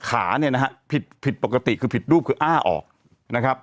ขาเนี่ยนะฮะผิดผิดปกติคือผิดรูปคืออ้าออกนะครับ